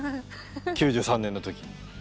９３年の時に。